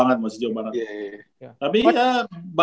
kalau masih principe pasti lebih